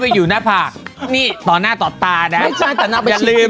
ไปอยู่หน้าผ่านี่ต่อหน้าตอบตาน่ะไม่ใช่แต่นักไปลืม